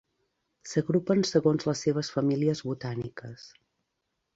S'agrupen segons les seves famílies botàniques.